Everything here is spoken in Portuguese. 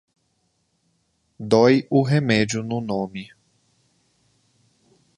Dói o remédio no nome.